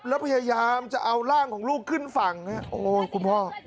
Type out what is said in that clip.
แล้วพยายามจะเอาร่างของลูกขึ้นฝั่งโอ้ยคุณพ่อ